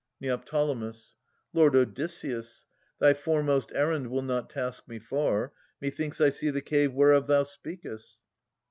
Neoptolemus. Lord Odysseus, Thy foremost errand will not task me far. Methinks I see the cave whereof thou speakest.